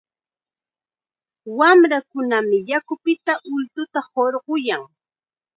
Wamrakunam yakupita ultuta hurquyan.